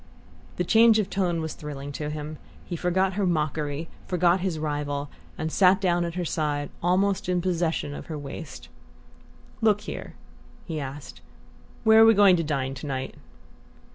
The change of tone was thrilling to him. He forgot her mockery, forgot his rival, and sat down at her side, almost in possession of her waist. "Look here," he asked, "where are we going to dine to night?"